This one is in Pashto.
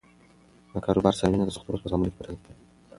له کاروبار سره مینه د سختو ورځو په زغملو کې پټه ده.